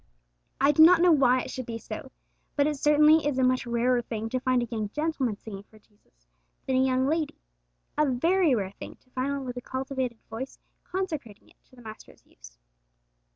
I do not know why it should be so, but it certainly is a much rarer thing to find a young gentleman singing for Jesus than a young lady, a very rare thing to find one with a cultivated voice consecrating it to the Master's use.